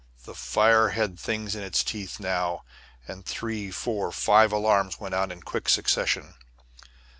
The fire had things in its teeth now, and three, four, five alarms went out in quick succession.